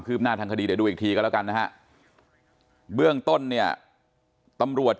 หน้าทางคดีเดี๋ยวดูอีกทีก็แล้วกันนะฮะเบื้องต้นเนี่ยตำรวจ